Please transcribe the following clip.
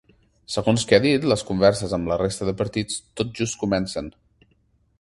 Segons que ha dit, les converses amb la resta de partits tot just comencen.